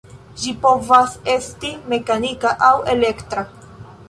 Ĝi povas esti mekanika aŭ elektra.